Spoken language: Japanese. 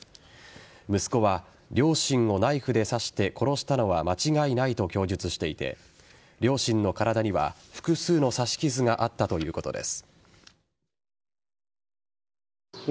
息子は両親をナイフで刺して殺したのは間違いないと供述していて両親の体には複数の刺し傷があったということです。